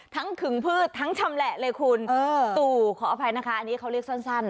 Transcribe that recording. ขึงพืชทั้งชำแหละเลยคุณตู่ขออภัยนะคะอันนี้เขาเรียกสั้น